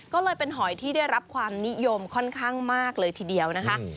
ก็เลยเป็นหอยที่ได้รับความนิยมค่อนข้างมากเลยทีเดียวนะคะ